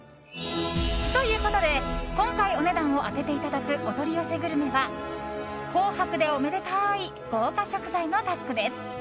ということで、今回お値段を当てていただくお取り寄せグルメは紅白でおめでたい豪華食材の最強タッグです。